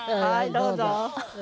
どうぞ。